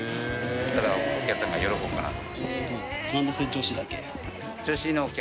そしたらお客さんが喜ぶかなと。